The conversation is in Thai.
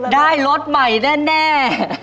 ได้รถใหม่แน่